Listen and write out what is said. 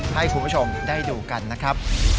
ให้คุณผู้ชมได้ดูกันนะครับ